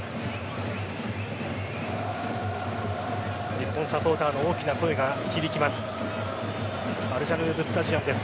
日本サポーターの大きな声が響きます。